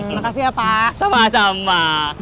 makasih ya pak sama sama